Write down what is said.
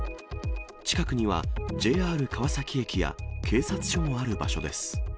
近くにはＪＲ川崎駅や警察署もある場所です。